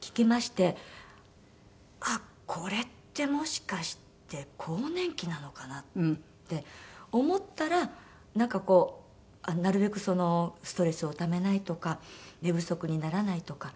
あっこれってもしかして更年期なのかな？って思ったらなんかこうなるべくストレスをためないとか寝不足にならないとか。